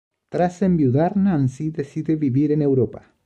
Tras enviudar Nancy decide vivir en Europa.